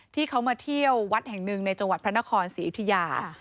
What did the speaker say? ที่เขามาเที่ยววัดแห่งหนึ่งในจังหวัดพระนครศรีอยุธยา